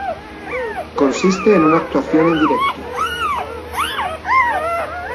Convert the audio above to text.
Consiste en una actuación en directo.